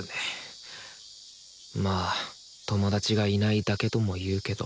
まあ友達がいないだけとも言うけど。